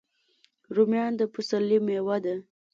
رومیان د پسرلي میوه ده